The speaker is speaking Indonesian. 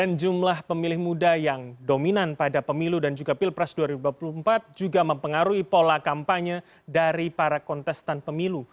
dan jumlah pemilih muda yang dominan pada pemilu dan juga pilpres dua ribu dua puluh empat juga mempengaruhi pola kampanye dari para kontestan pemilu